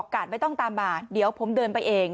ไม่ต้องตามมาเดี๋ยวผมเดินไปเอง